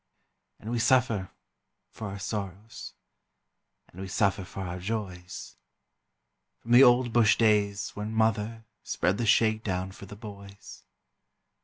And we suffer for our sorrows, And we suffer for our joys, From the old bush days when mother Spread the shake down for the boys.